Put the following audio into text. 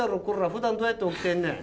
ふだんどうやって起きてんねん！